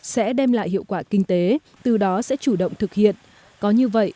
sẽ đem lại hiệu quả kinh tế từ đó sẽ chủ động thực hiện có như vậy